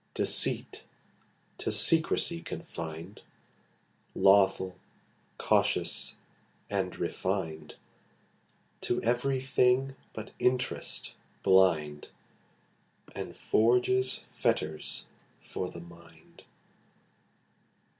Deceit to secrecy confinŌĆÖd, Lawful, cautious & refinŌĆÖd, To every thing but interest blind, And forges fetters for the mind.